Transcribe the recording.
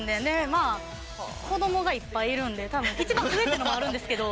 まあ子どもがいっぱいいるんで多分一番上っていうのもあるんですけど。